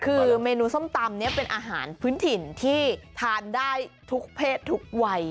คือเมนูส้มตำนี้เป็นอาหารพื้นถิ่นที่ทานได้ทุกเพศทุกวัย